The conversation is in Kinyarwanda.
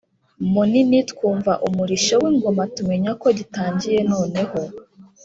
munini twumva umurishyo w’ingoma tumenya ko gitangiye noneho.